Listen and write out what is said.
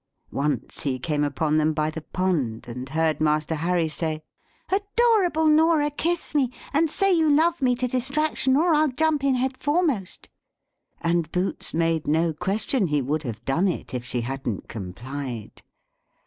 Once he came upon them by the pond, and heard Master Harry say, "Adorable Norah, kiss me, and say you love me to distraction, or I'll jump in head foremost." And Boots made no question he would have done it if she hadn't complied.